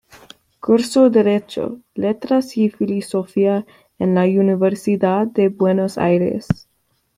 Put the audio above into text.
Cursó derecho, letras y filosofía en la Universidad de Buenos Aires.